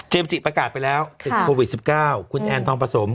เจมส์จิประกาศไปแล้วติดโควิดสิบเก้าคุณแอนทองประสม